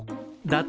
だ